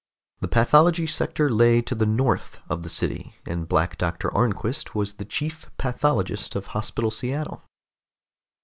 The pathology sector lay to the north of the city, and Black Doctor Arnquist was the chief pathologist of Hospital Seattle.